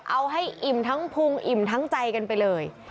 เอาให้อิ่มทั้งพุงอิ่มทั้งใจกันไปเลย